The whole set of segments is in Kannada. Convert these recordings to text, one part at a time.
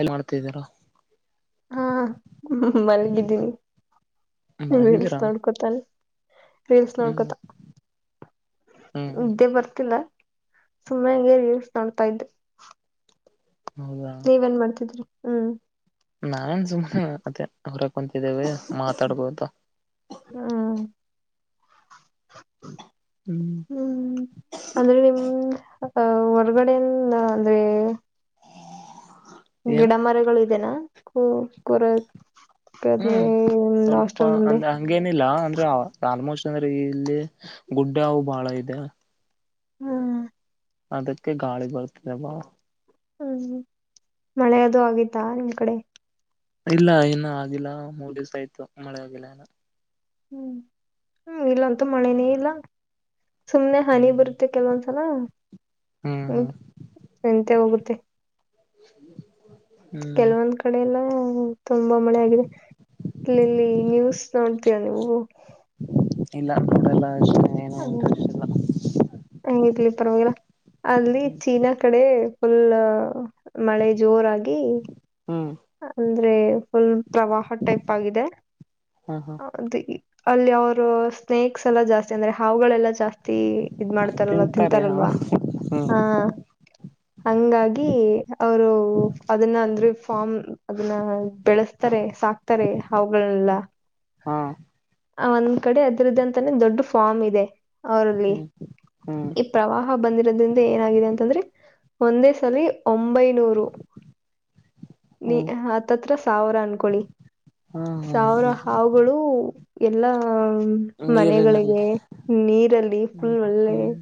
ಏನ್ ಮಾಡ್ತಿದ್ದೀರು. ಹಾ ಹ ಮಲಗಿದ್ದೀನಿ. ನೀ ರೀಲ್ಸ್ ಮಲಗಿದ್ದೀರಾ ನೋಡ್ಕೊತ ರೀಲ್ಸ್ ಹ್ಮ್ ನೋಡ್ಕೋತ. ಹ್ಮ್ ನೀದ್ದೆ ಬರ್ತಿಲ್ಲ ಸುಮ್ಮನೆ ಹಂಗೆ ರಿಲ್ಸ ನೋಡ್ತಾ ಇದ್ದೆ. ಹೌದಾ ನೀವ ಎನ್ ಮಾಡ್ತಿದ್ರಿ ಹ್ಮ್. ನಾನ್ ಸುಮ್ಮನೆ ಅದೆ ಹೊರಗ ಕುಂತಿದ್ದೇವೆ ಮಾತಾಡ್ಬೋ ಅಂತ. ಹ್ಮ್. ಹ್ಮ್. ಹ್ಮ್ ಅಂದ್ರೆ ನಿಮ್ ಅ ಹೊರ್ಗಡೆನ್ ಅಂದ್ರೆ. ಏನು ಗಿಡ ಮರಗಳು ಇದೆನಾ ಕೊರ ಕುರಕೆ. ಪ್ಪದ ಹ್ಮ್ ಲಾಸ್ಟ ಸ್ವಲ್ಪ ರುಮ ಮುಂದೆ. ಅಂದ್ರೆ ಹಂಗೇನಿಲ್ಲ ಅಂದ್ರೆ ಆಲ್ಮೋಸ್ಟ್ ಅಂದ್ರೆ ಇಲ್ಲಿ ಗುಡ್ಡ ಹವು ಬಾಳ ಇದೆ. ಹ್ಮ್ ಅದಕ್ಕೆ ಗಾಳಿ ಬರ್ತದೆ ಬಾಲ. ಹ್ಮ್ ಮಳೆ ಅದು ಆಗೀತಾ ನಿಮ್ ಕಡೆ. ಇಲ್ಲ ಇನ್ನು ಆಗಿಲ್ಲ ಮೂರ್ ದಿವ್ಸ ಆಯ್ತು ಮಳೆ ಆಗಿಲ್ಲ ಇನ್ನೂ. ಹ್ಮ್ ಹ್ಮ್ ಇಲ್ಲಂತೂ ಮಳೆನೇ ಇಲ್ಲ. ಸುಮ್ನೆ ಹನಿ ಹ್ಮ್ ಬರುತ್ತೆ ಕೆಲವೊಂದ್ಸಲ ಹ್ಮ್ ಹ್ಮ. ಹ್ಮ್ ನಿಂತೆ ಹೋಗುತ್ತೆ. [inaudible] ಕೆಲವೊಂದ ಕ ಕಡೆ ಎಲ್ಲ ತುಂಬಾ ಮಳೆ ಆಗಿದೆ ಇಲ್ಲಿಲ್ಲಿ ನ್ಯೂಸ್ ನೋಡ್ತೀಯಾ ನೀವು. ಇಲ್ಲ ನೋಡಲ್ಲ ಅಷ್ಟೊಂದ ಏನು ಇಂಟರೆಸ್ಟ್ ಇಲ್ಲ. ಇರ್ಲಿ ಪರವಾಗಿಲ್ಲ ಅಲ್ಲಿ ಚೀನಾ ಕಡೆ. ಫುಲ್ ಮಳೆ ಜೋರಾಗಿ. ಹ್ಮ್. ಅಂದ್ರೆ ಫುಲ್ ಪ್ರವಾಹ ಟೈಪ್ ಆಗಿದೆ. ಹಾ ಹಾ ಅದು ಅಲ್ಲಿ ಅವರು ಸ್ನೇಕ್ಸ್ ಎಲ್ಲ ಜಾಸ್ತಿ ಅಂದ್ರೆ ಹಾವುಗಳೆಲ್ಲ ಜಾಸ್ತಿ ಇದ್ ಮಾಡ್ತಾರಲ್ಲ ತಿಂತಾರೆ ಹಾ ತಿಂತಾರಲ್ವಾ ಹ್ಮ್ ಹಾ ಹಂಗಾಗಿ ಅವರು ಅದನ್ನ ಅಂದ್ರೆ ಫಾರ್ಮ್ ಅದನ್ನ ಬೆಳೆಸ್ತಾರೆ ಸಾಕ್ತಾರೆ ಅವುಗಳೆಲ್ಲ ಹಾ ಆ ಒಂದ್ ಕಡೆ ಅದರದ್ದ ಅಂತಾನೇ ದೊಡ್ಡ ಫಾರ್ಮ್ ಇದೆ ಅವರಲ್ಲಿ ಹ್ಮ್ ಹ್ಮ್ ಪ್ರವಾಹ ಬಂದಿರೋದ್ರಿಂದ ಏನಾಗಿದೆ ಅಂತಂದ್ರೆ ಒಂದೇ ಸಲಿ ಒಂಬೈನೂರು ನೀ ಹ್ಮ್ ಆತ್ತತ್ರ ಸಾವಿರ ಅನ್ಕೊಳ್ಳಿ ಹ್ಮ್ ಹ್ಮ್ ಸಾವಿರ ಹ್ಮ್ ಹಾವುಗಳು ಎಲ್ಲಾ ನೀರಿನಲ್ಲಿ ಮನೆಗಳಿಗೆ ನೀರಲ್ಲಿ ಹ್ಮ್ ಫುಲ್ ಒಳ್ಳೆ ಹ್ಮ್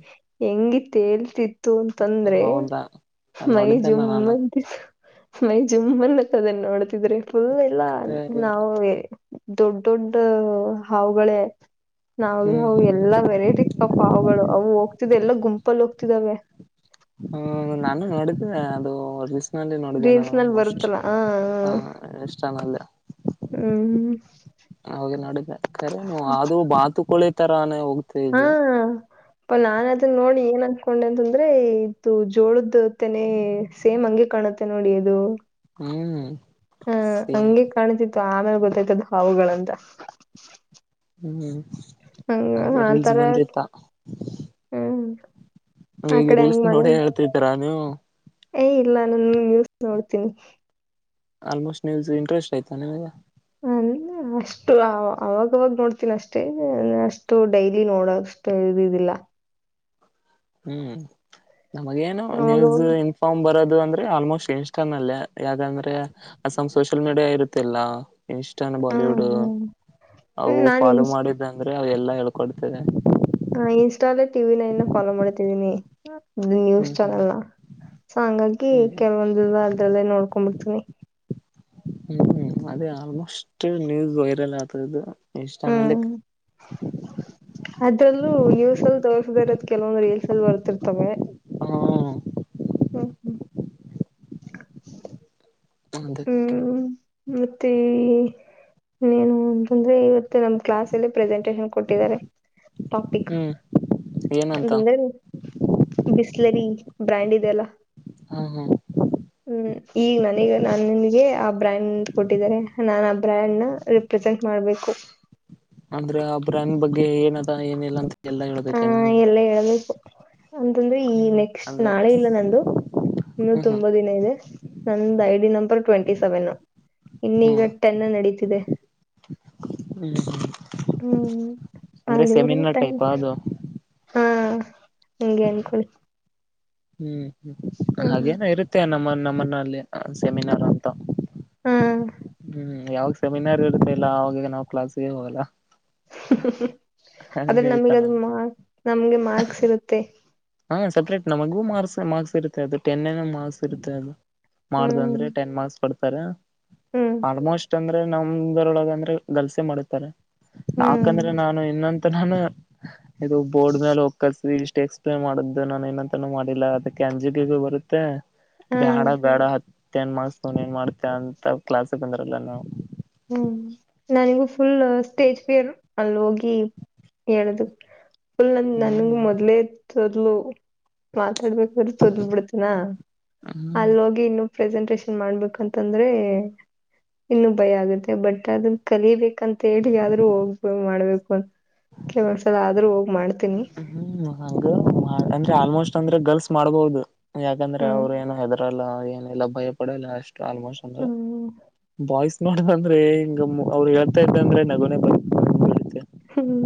ಹೆಂಗಿತ್ತೇಳ್ತಿತ್ತು ಅಂತಂದ್ರೆ ಹೌದಾ ಮೈ ನೋಡಿದ್ದೆ ನಾನು ಜುಮ್ಮನ್ ಮೈ ಜುಮ್ಮನ್ತ್ತದನ್ನ ನೋಡ್ತಿದ್ರೆ ಫುಲ್ ಎಲ್ಲ ಹ್ಮ್ ನಾವೇ ದೊಡ್ ದೊಡ್ಡ ಹಾವುಗಳೇ ನಾವೇ ಹ್ಮ್ ಎಲ್ಲಾ ವೆರೈಟಿ ಪಪ್ಪಾವುಗಳು ಅವು ಹೋಗ್ತಿದ ಎಲ್ಲ ಗುಂಪಲ್ಲಿ ಹೋಗ್ತಿದಾವೆ ಹ್ಮ ನಾನು ನೋಡಿದ್ದೇನೆ ಅದು ಸಿಸ್ಕ್ ನೋಡಿದೆೆ ನಾನು ರೀಲ್ಸ್ ನಲ್ಲಿ ಆಲ್ಮೋಸ್ಟ್ ಬರುತ್ತಲ್ಲ ಹ ಹ ಎಷ್ಟ ಚಾನಲ್ನಲ್ಲಿ ಹ್ಮ್ ಅವೆ ನೋಡಿದೆ ಖರೆೇನು ಆದೂ ಬಾತುಕಳಿತರಾನೇ ಹೋಗುತ್ತಿದು ಯಪ ನಾನ್ ಅದನ್ನ ನೋಡಿ ಏನ್ ಅನ್ಕೊಂಡೆ ಅಂತಂದ್ರೆ ಇದು ಜೋಳದತೇನೆ ಸೇಮ್ ಹಂಗೆ ಕಾಣುತ್ತೆ ನೋಡಿ ಅದು ಹ್ಮ್ ಹಾ ಸೇಮ್ ಹಂಗೆ ಕಾಣ್ತಿತ್ತು ಆಮೇಲೆ ಗೊತ್ತಾಯ್ತದ ಅದು ಹಾವುಗಳಂತ ಹ್ಮ್ ಹಂಗ ಅದೇ ರೀಲ್ಸ್ ಆತರ ಬಂದೈತ ಹ್ಮ್ ಆ ಹೀಗೆ ಕಡೆ ರೀಲ್ಸ್ ಹಂಗ್ ಮಾಡ ನೋಡ ಹೇಳ್ತಿದ್ದೀರ ನೀವು ಏ ಇಲ್ಲ ನನ್ ನ್ಯೂಸ್ ನೋಡ್ತೀನಿ ಆಲ್ಮೋಸ್ಟ್ ನ್ಯೂಸ್ ಇಂಟ್ರೆಸ್ಟ್ ಆಯತಾ ನಿಮಗೆ ಹ್ಮ್ ಅವಾಗವಾಗ ನೋಡ್ತೀನ ಅಷ್ಟೇ ಅಷ್ಟು ಡೈಲಿ ನೋಡೋಷ್ಟ ಇದಿಲ್ಲ ಹ್ಮ್ ನಮಗೇನು ನ್ಯೂಸ್ ಅವಾಗವಾಗ ಇ ಫ್ ಬರೋದು ಅಂದ್ರೆ ಆಲ್ಮೋಸ್ಟ್ ಇನ್ಸ್ಟಾ ಅಲ್ಲೇ ಯಾದಂದ್ರೆ ಅಸಮ್ ಸೋಷಿಯಲ್ ಮೀಡಿಯಾ ಇರುತ್ತಲ್ಲ ಇನ್ಸ್ಟಾನ ಹ್ಮ್ ಬಾಲಿವುಡ್ ಅವು ಹ್ಮ್ ನಾನ್ ಫಾಲೋ ಇನ್ಸ್ ಮಾಡಿದ್ದಂದ್ರೆ ಅವ ಎಲ್ಲಾ ಹೇಳ್ಕೊಡ್ತವೆ ಹಾ ಇನ್ಸ್ಟಾಲೆ ಟಿವಿನ ಇನ್ನ ಫಾಲೋ ಮಾಡ್ತಿದೀನಿ ಅದೇ ನ್ಯೂಸ್ ಹ್ಮ್ ಹ್ಮ್ ಚಾನೆಲ್ ನ ಸೊ ಹಂಗಾಗಿ ಹ್ಮ್ ಕೆಲವೊಂದು ಅದ್ರಲ್ಲೇ ನೋಡ್ಕೊಂಡ್ ಬಿಡ್ತೀನಿ ಹ್ಮ್ ಅದೇ ಆಲ್ಮೋಸ್ಟ್ ನ್ಯೂಸ್ ವೈರಲ್ ಆತದದು ಇನ್ಸ್ಟ ನಲ್ಲಿ ಹ್ಮ್ ಅದ್ರಲ್ಲೂ ನ್ಯೂಸ್ ಅಲ್ಲಿ ತೋರ್ಸದಿ ಇರೋದು ಕೆಲವಂದ್ ರೀಲ್ಸ್ ಅಲ್ಲಿ ಬರ್ತಿರ್ತವೆ ಹ್ಮ ಹ್ಮ ಹ್ಮ್ ನನಂದೆ ಹ್ಮ್ ಮತ್ತೆ ಯೇ ಇನ್ನೇನು ಅಂತಂದ್ರೆ ಇವತ್ತು ನಮ್ ಕ್ಲಾಸ್ ಲ್ಲಿ ಪ್ರೆಸೆಂಟಷನ್ ಕೊಟ್ಟಿದ್ದಾರೆ ಟಾಪಿಕ್ ಹ್ಮ್ ಏನಂತ ಅಂದೇನ ಬಿಸ್ಲರಿ ಬ್ರ್ಯಾಂಡ್ ಇದೆಲ್ಲ ಹಾ ಹ್ಮ್ ಹ್ಮ್ ಈಗ ನನಗ ನನ್ನ ನಿನ್ಗೆ ಆ ಬ್ರ್ಯಾಂಡ್ ಕೊಟ್ಟಿದ್ದಾರೆ ನಾನ್ ಆ ಬ್ರ್ಯಾಂಡ್ನ ರಿಪ್ರೆಸೆಂಟ್ ಮಾಡ್ಬೇಕು ಅಂದ್ರೆ ಅಬ್ರನ್ ಬಗ್ಗೆ ಏನದ ಏನಿಲ್ಲ ಅಂತ ಎಲ್ಲ ಹೇಳ್ಬೇಕೇ ನಿನ್ ಎ ಹೆಲ್ಪ್ ಅಂತಂದ್ರೆ ಈ ನೆಕ್ಸ್ಟ್ ಅಂದ್ರೆ ನಾಳೆ ನಂದು ಇನ್ನುೂ ಹ್ಮ್ ಹ್ಮ್ ತುಂಬಾ ದಿನ ಇದೆ ನಂದ್ I D number twenty seven ಹ್ಮ್ ಇನ್ನೀಗ ಟೆನ್ ನಡೀತಿದೆ ಹ್ಮ್ ಹ್ಮ್ ಅಂದ್ರೆ ಅಲ್ಲಿವರ್ಗು ಸೆಮಿನಾರ್ ಟೆನ್ ಟೈಪ್ ಅದು ಹಾಂ ಹಂಗೆ ಅನ್ಕೊಳ್ಳಿ ಹ್ಮ್ ಹ್ಮ್ ಹ್ಮ್ ಹಾಗೇನ ಇರುತ್ತೆ ನಮ್ಮ ನಮ್ಮನಲ್ಲಿ ಸೆಮಿನಾರ್ ಅಂತ ಹ್ಮ್ ಹ್ಮ್ ಯಾವಾಗ ಸೆಮಿನಾರ್ ಇರುತ್ತೆ ಇಲ್ಲ ಅವಾಗ ನಾವು ಕ್ಲಾಸ್ಗೆ ಹೋಗಲ್ಲ ಆದ್ರೆ ಹಂಗೆ ಐತ ನಮಗೆ ಅದು ನಮ್ದು ಮಾರ್ಕ್ ನಮ್ಗೆ ಮಾರ್ಕ್ಸ್ ಸಿಗುತ್ತೆ ಹಾ ಸಪ್ರೇಟ್ ನಮಗೂ ಮಾರ್ಕ್ಸ್ ಮಾರ್ಕ್ಸ್ ಇರುತ್ತೆ ಅದು ಟೆನ್ ಏನೊ ಮಾರ್ಕ್ಸ್ ಇರುತ್ತೆ ಅದು ಹ್ಮ್ ಮಾಡಂದ್ರೆ ಟೆನ್ ಮಾರ್ಸ್ತ ಕೊಡ್ತಾರೆ ಹ್ಮ್ ಆಲ್ಮೋಸ್ಟ್ ಅಂದ್ರ ನಮರೊಳಗೆ ಅಂದ್ರೆ ಗಲ್ಸೆ ಮಾಡುತ್ತಾರೆ ಯಾಕಂದ್ರೆ ನಾನು ಇನ್ನೊ ನಾನು ಇದು ಬೋರ್ಡ್ ಮೇಲೆ ಹೋಗ್ ಕಲ್ಸ ಇಷ್ಟ ಎಕ್ಸ್ಪ್ಲೇನ್ ಮಾಡಿದ್ದು ನಾನು ಏನಂತಾನ ಮಾಡಿಲ್ಲ ಅದಿಕ್ಕೆ ಕೆಂಜಿಟಿಗು ಬರುತ್ತೆ ಹಾ ಬ್ಯಾಡ ಬೇಡ ಹತ್ತ ಏನ್ ಮಾಡಸ್ತ ಏನ್ ಮಾಡ್ತ ಅಂತ ಕ್ಲಾಸ್ಕ್ಗೆ ಬಂದಿರಲ್ಲ ನಾವು ಹ್ಮ್ ನನಿಗೂ ಫುಲ್ ಸ್ಟೇಜ್ ಫಿಯರ್ರು ಅಲ್ಲಿ ಹೋಗಿ ಹೇಳದು ಫುಲ್ ನನ್ ನಂಗೆ ಹ್ಮ್ ಮೊದ್ಲೇ ತೊದ್ಲು ಮಾತಾಡ್ಬೇಕು ತೊದ್ಲು ಬಿಡ್ತನಾ ಹ್ಮ್ ಅಲ್ಲಿ ಹೋಗಿ ಇನ್ನು ಪ್ರೆಸೆಂಟೇಶನ್ ಮಾಡ್ಬೇಕಂತಂದ್ರೆ ಇನ್ನು ಭಯ ಆಗುತ್ತೆ. ಮತ್ತೆ ಬಟ್ ಅದ ಕಲಿಬೇಕಂತ ಹೇಳಿ ಆದ್ರು ಹೋಗ್ ಮಾಡ್ಬೇಕು ಅಂತ ಕೆಲವು ಒಂದ್ಸಲ ಆದ್ರೂ ಹೋಗಿ ಮಾಡ್ತೀನಿ. ಹ್ಮ್ ಹಂಗ ಅಂದ್ರೆ ಆಲ್ಮೋಸ್ಟ್ ಅಂದ್ರೆ ಗರ್ಲ್ಸ್ ಮಾಡ್ಬಹುದು ಯಾಕಂದ್ರೆ ಹ್ಮ್ ಅವರು ಏನು ಹೆದರ್ ಹೆದ್ರಲ್ಲ ಏನಲ್ಲ ಭಯ ಪಡಲ್ಲ ಅಷ್ಟು ಆಲ್ಮೋಸ್ಟ್ ಅಂದ್ರೆ ಹ್ಮ್ ಬಾಯ್ಸ್ ನೋಡಂದ್ರೆ ಹಿಂಗಮ್ಮ ಅವ್ರು ಹೇಳ್ತಾ ಇದ್ದಂದ್ರೆ ನಗುನೆ ಬರುತ್ತೆ ಹ್ಮ್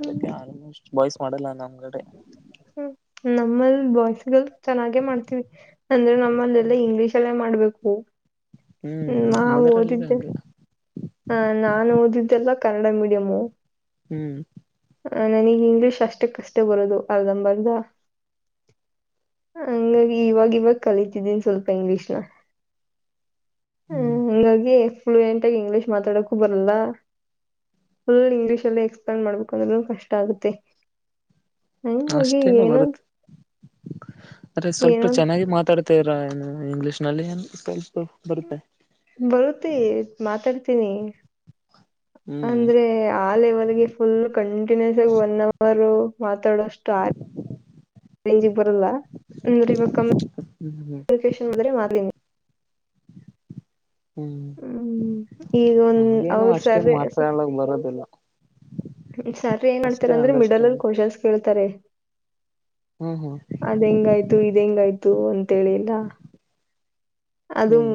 ಅದಕ್ಕೆ ಆಲ್ಮೋಸ್ಟ್ ಬಾಯ್ಸ್ ಮಾಡಲ್ಲ ನಮ್ಗಡೆ ಹ್ಮ ನಮ್ಮಲ್ಲಿ ಬಾಯ್ಸಗಲ್ ಚೆನ್ನಾಗೆ ಮಾಡ್ತೀವಿ ಅಂದ್ರೆ ನಮ್ಮಲ್ಲೆಲ್ಲಾ ಇಂಗ್ಲಿಷ್ ಇಂಗ್ಲಿಷ್ ಅಲ್ಲೆ ಮಾಡ್ಬೇಕು ಹ್ಮ ಹ್ಮ್ ನಾವು ನಮ್ಮದರಲ್ಲಿ ಓದಿದ್ದೆ ಹಂಗೆ ಹಾಂ ನಾನು ಓದಿದ್ದೆಲ್ಲ ಕನ್ನಡ ಮೀಡಿಯಮು. ಹ್ಮ್ ನನಿಗೆ ಇಂಗ್ಲೀಷ್ ಅಷ್ಟ ಕಷ್ಟ ಬರೊದು ಅರ್ಧಂಬರ್ಧ ಹಾಂಗಾಗಿ ಇವಾಗ ಇವಾಗ ಕಲಿತಿದ್ದೀನ್ ಸ್ವಲ್ಪ ಇಂಗ್ಲೀಷ್ನ ಹ್ಮ್ [unintelligible] ಫ್ಲಯಂಟ್ ಆಗಿ ಇಂಗ್ಲಿಷ್ ಮಾತಾಡಕೂ ಬರಲ್ಲ ಫುಲ್ ಇಂಗ್ಲೀಷ ಅಲ್ಲಿ ಎಕ್ಸ್ಪ್ಲೇನ್ ಮಾಡಬೇಕು ಅಂದ್ರೂ ಕಷ್ಟ ಆಗುತ್ತೆ ಹಂಗಾಗಿ ಅಷ್ಟೇನು ಏನೋ ಬರುತ್ತೆ ಅದ್ರೆ ಸ್ವಲ್ಪ ಏನೋ ಚೆನ್ನಾಗಿ ಮಾತಾಡ್ ತೆರ ಏನು ಇಂಗ್ಲೀಷ್ನಲ್ಲಿ [unintelligible] ಬರುತ್ತೆ ಬರುತ್ತೆ ಮಾತಾಡ್ತೀನಿ ಹ್ಮ್ ಅಂದ್ರೆ ಆ ಲೆವೆಲ್ಗೆ ಫುಲ್ ಕಂಟಿನ್ಯೂಸ್ ಆಗಿ ಒನ್ ಅವರ್ ಮಾತಾಡೋಷ್ಟು ಆ ರಂಜಿಗೆ ಬರಲ್ಲ ಅಂದ್ರೆ ಇವಾಗ ಹ್ಮ್ ಕಮ್ಯುನಿಕೇಷನ್ ಬಂದ್ರೆ [unintelligible] ಹ್ಮ್ ಹ್ಮ್ ಈಗ ಒಂದ್ ನಮಗೇನು ಅವ್ರ ಸರ್ ಅಷ್ಟೇನು ಮಾತಾಡ್ಕ್ ಬರೋದಿಲ್ಲ ಸರ್ ಏನ್ ಅಷ್ಟೇ ಮಾಡ್ತಾರೆ ಅಂದ್ರೆ ಮಿಡಲ್ ಅಲ್ಲಿ ಅಂಡರ್ಸ್ಟ್ಯಾಂಡ್ ಕ್ವಶನ್ಸ್ ಕೇಳ್ತಾರೆ ಹ್ಮ್ ಹ್ಮ್. ಅದೆಂಗಾಯ್ತು ಇದೆಂಗಾಯ್ತು ಅಂತೇಳಿಲ್ಲ. ಅದು. ಹ್ಮ್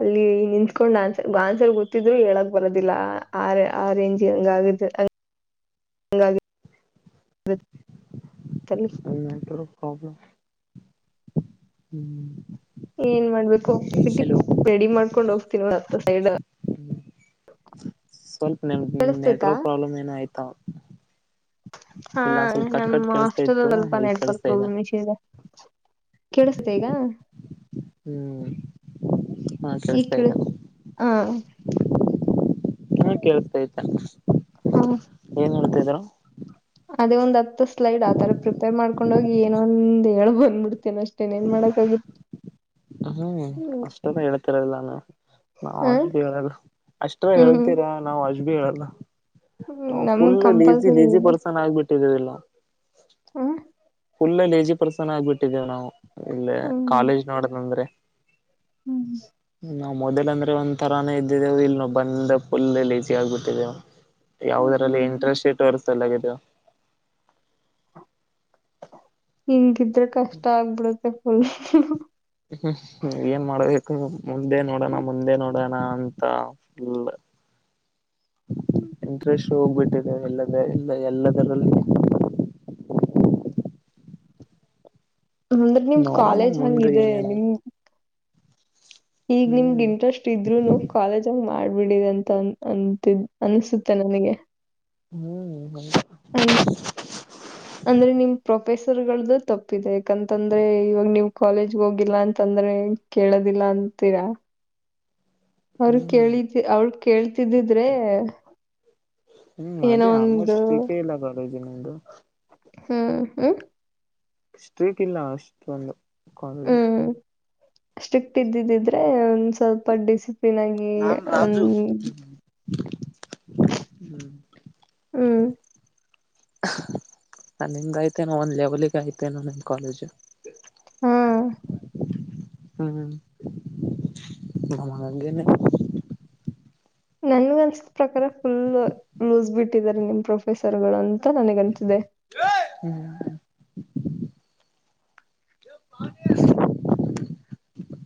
ಅಲ್ಲಿ ನಿಂತ್ಕೊಂಡ್ ಆನ್ಸರ್ ಆನ್ಸರ್ ಗೊತ್ತಿದ್ರು ಹೇಳಕ್ ಬರೋದಿಲ್ಲ ಆ ಆ ರೇಂಜ್ಗ್ ಹಂಗಾಗುತ್ತೆ. [unintelligible] ಹಂಗಾಗಿ. [unintelligible] [unintelligible] ಪ್ರಾಬ್ಲಮ್ ಹ್ಮ. ಏನ್ ಮಾಡ್ಬೇಕು ಒಕ್ಕಿ ಬಿಿಟ್ಟಿ ರೆಡಿ ಮಾಡ್ಕೊಂಡ್ ಹೋಗ್ತೀನ್ ಹತ್ತ ಸೈಡ್. ಸ್ವಲ್ಪ ನಿಮ್ ಕೇಳಿಸ್ತೈತಾ ನೆಟ್ವರ್ಕ್ ಪ್ರಾಬ್ಲಮ್ ಏನ ಅಯ್ತಾ. ಹಾ ನಮ್ಮ್ ಹಾಸ್ಟೇಲಲ್ಲಿ ಸ್ವಲ್ಪ ಈಗ ನೆಟ್ವರ್ಕ್ ಕೇಳಿಸ್ತಾ ಇದ ಪ್ರಾಬ್ಲಮ್ ಇಶ್ಯೂಸ್ ಇದೆ. ಕೇಳಿಸ್ತ ಈಗ. ಹ್ಮ್. ಹಾ ಈ ಕೇಳಿಸ್ತಾ ಕಡೆ ಇದ್ದ ಹಾ. ಇವಾಗ್ ಕೇಳುಸ್ತಾಯ್ತೆ. ಹಾ. ಏನ್ ಹೇಳ್ತಿರ. ಅದೇ ಒಂದ್ ಹತ್ತು ಸ್ಲೈಡ್ ಆತರ ಪ್ರಿಪೇರ್ ಮಾಡ್ಕೊಂಡ ಹೋಗಿ ಏನೊಂದ್ ಹೇಳ ಬಂದ್ಬಿಡ್ತೇನಷ್ಟೆ. ಟೇನ್ ಏನ್ ಮಾಡಕ್ಕಾಗುತ್. ಹ್ಮ್ ಅಷ್ಟನೆ ಹೇಳ್ತಿರಲಿಲ್ಲ. ನಾವ್ ಹ ಅಜ್ ಭಿ ಹೇಳಲ್ಲ ಅಷ್ಟ್ರ ಹ್ಮ್ ಹೇಳ್ತೀರಾ ನಾವು ಅಜ್ ಭಿ ಹೇಳಲ್ಲ. ನಾವು ನಮಗ್ ಫುಲ್ ಲೇಸಿ ಕಂಪಲ್ಸರಿ ಲೇಸಿ ಇದೆ ಪರ್ಸನ್ ಆಗ್ ಬಿಟ್ಟಿದೀವೆಲ್ಲಾ. ಹೂ. ಫುಲ್ ಲೇಜಿ ಪರ್ಸನ್ ಆಗ್ಬಿಟ್ಟಿದ್ದೇವೆ ನಾವು ಇಲ್ಲೇ ಹ್ಮ್ ಕಾಲೇಜ್ ನೋಡದಂದ್ರೆ. ಹ್ಮ್ ಹ್ಮ್. ನಾವು ಮೊದಲ್ ಅಂದ್ರೆ ಒಂದ್ ತರಾನೇ ಇದ್ದಿದ್ದೇವು ಇಲ್ಲಿ ನಾವು ಬಂದ ಫುಲ್ಲ್ ಲೇಸಿ ಆಗ್ಬಿಟ್ಟಿದ್ದೇವ. ಯಾವುದ್ರಲ್ಲಿ ಹ್ಮ್ ಇಂಟರೆಸ್ಟ್ ತೋರಿಸ್ತಿಲ್ಲ ವಿದೊ. ಹಿಂಗಿದ್ರೆ ಕಷ್ಟ ಆಗ್ಬಿಡತ್ತೆ ಫುಲ್. ಹ್ಮ್ ಏನ್ ಮಾಡ್ಬೇಕು ಮುಂದೆ ನೋಡೋಣ ಮುಂದೆ ನೋಡೋಣ ಅಂತ ಫುಲ್. ಇಂಟ್ರೆಸ್ ಹೋಗ್ಬಿಟ್ಟಿದೆ ಎಲ್ಲದ ಎಲ್ಲ ಎಲ್ಲದರಲ್ಲಿ. ಅಂದ್ರೆ ನಿಮ್ ನೋಡಮ್ಮ ಕಾಲೇಜ್ ಮುಂದೆ ಹಂಗಿದೆ ಏನೇನ ನಿಮ್. ಈಗ ನಿಮ್ಗ್ ಹ್ಮ್ ಇಂಟರೆಸ್ಟ್. ತ್ತಿದ್ರುನು ಕಾಲೇಜ್ಂಗ ಮಾಡ್ಬಿಡಿದೆ ಅಂತ ಅ ಅಂತ್ ಅಂತ್ ಅನ್ಸುತ್ತ ನಿಮಿಗೆ. ಹ್ಮ್. ಅಂದ್. ಹ. [unintelligible] ಅಂದ್ರೆ ನಿಮ್ ಪ್ರೊಫೆಸರ್ ಗಳ್ದು ತಪ್ಪಿದೆ ಯಾಕಂತಂದ್ರೆ ಇವಾಗ ನೀವು ಕಾಲೇಜಿಗೆ ಹೋಗಿಲ್ಲ ಅಂತಂದ್ರೆ. ಕೇಳೋದಿಲ್ಲ ಅಂತೀರಾ. ಅವ್ರ ಹ್ಮ್ ಕೇಳಿದ್ ಅವ್ಳ್ ಕೇಳ್ತಿದಿದ್ರೆ. ಹ್ಮ್ ಅದೇ ಆಲ್ಮೋಸ್ಟ್ [inaudible] ಕಜ ನಿಮ್ದು. ಹ್ಮ್ ಹ್ಮ. ಸ್ಟ್ರೀಟ್ ಇಲ್ಲ ಅಷ್ಟೊಂದು. ಕಾಲೇಜು ಹ್ಮ್ ಸ್ಟ್ರಿಕ್ಟ್ ಇದ್ದಿದ್ದಿದ್ರೆ ಒಂದ್ ಸ್ವಲ್ಪ ಡಿಸಿಪ್. ಲಿನ್ನಾಗಿ ನಾನ್ ಹಾಂ. ರಾಜು ಹ್ಮ್ ಹ್ಮ್. ಹ ನಿಮ್ಗೆಐ್ತನ ಒಂದು ಲೆವೆಲಿಗೆ ಆಯ್ತೆೇನೋ ನಿಮ್ಮ ಕಾಲೇಜು. ಹಾ [unintelligible] ನನಗೆ ಅನಿಸೋ ಪ್ರಕಾರ ಫುಲ್. ಲೂಸ್ ಬಿಟ್ಟಿದ್ದಾರೆ ನಿಮ್ ಪ್ರೊಫೆಸರ್ಗಳು ಅಂತ ನನಗ ಅನಿಸಿದೆ. [inaudible]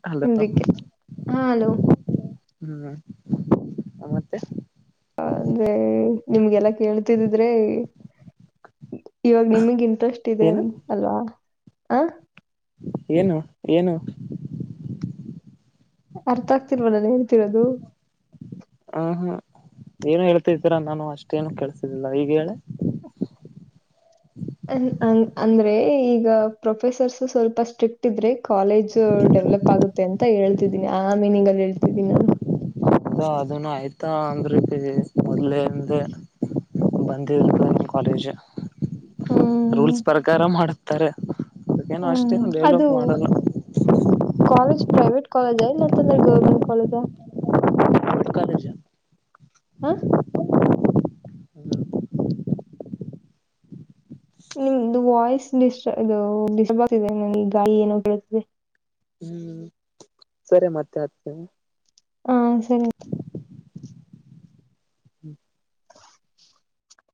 ಹಲೋ ಅದಕ್ಕೆ ಹಾ ಹಲೋ ಬ್ರೋ. [unintelligible] ಹ ಅಂದ್ರೆ ನಿಮ್ಗೆಲ್ಲಾ ಕೇಳ್ತಿದಿದ್ರೆ. ಇವಾಗ ನಿಮಗ್ ಇಂಟ್ರೆಸ್ಟ್ ಇದೆ ಏನು ಅಂತ ಅಲ್ವಾ ಹಾ. ಏನು ಏನು. ಅರ್ಥ ಆಗ್ತಿಲ್ವ ನಾನು ಹೇಳ್ತಿರೋದು. ಹುಹು ಏನು ಹೇಳ್ತಿದ್ದೀರಾ ನಾನು ಅಷ್ಟೇನು ಕೆಳ್ಸಿದಿಲ್ಲ ಈಗ ಹೇಳ ಅಂದ್ರೆ ಈಗ ಪ್ರೊಫೆಸರ್ಸ್ ಸ್ವಲ್ಪ ಸ್ಟ್ರಿಕ್ಟ್ ಇದ್ರೆ ಕಾಲೇಜ್ ಡೆವಲಪ್ ಆಗುತ್ತೆ. ಅಂತ ಹೇಳ್ತಿದ್ದೀನಿ ಹಾ ಮೀನಿಂಗ್ ಅಲ್ಲಿ ಹೇಳತಿದಿನಿ ನಾನು. ಅದನ್ನು ಆಯ್ತಾ ಒಂದು ರೀತಿ ಮೊದ್ಲೇ [unintelligible] ಬಂದಿಯಿಲ್ಲ ಕಾಲೇಜ್ ಹ್ಮ್ ರೂಲ್ಸ್ ಪ್ರಕಾರ ಮಾಡುತ್ತಾರೆ. ಏನು ಹ್ಮ್ ಅಷ್ಟೇನು ಅದು ಡೆವಲಪ್ ಮಾಡಲ್ಲ. ಕಾಲೇಜ್ ಪ್ರೈವೇಟ್ ಕಾಲೇಜ ಇಲ್ಲ ಅಂತದ್ರೆ ಗವರ್ಮೆಂಟ್ ಕಾಲೇಜಾ. ಕಾಲೇಜ್ ಹಾ. ಹ್ಮ್ ನಿಮ್ದು ವಾಯ್ಸ್ ಡಿಸ್ಟ ಇದು ಡಿಸ್ಟರ್ನ್ ಆಗ್ತಿದೆ ಗಾಳಿ ಏನೋ ಕೇಳಿಸ್ತಿದೆ. [inaudible] ಸರಿ ಮತ್ತೆ ಹಚ್ಚಿತೀನಿ. ಹಾ ಸರಿ ಆಯ್ತು. [unintelligible]